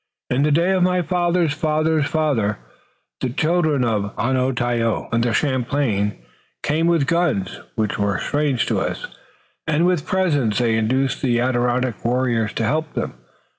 "In the day of my father's father's father the children of Onontio, under Champlain, came with guns, which were strange to us, and with presents they induced the Adirondack warriors to help them.